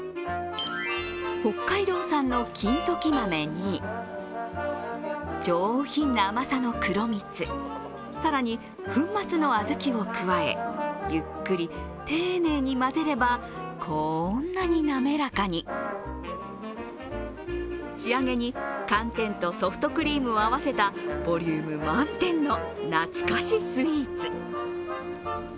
北海道産の金時豆に上品な甘さの黒蜜、更に粉末の小豆を加え、ゆっくり丁寧に混ぜれば、こんなに滑らかに仕上げに寒天とソフトクリームを合わせたボリューム満点の懐かしスイーツ。